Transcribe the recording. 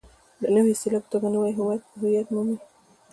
د نوې اصطلاح په توګه نوی هویت مومي.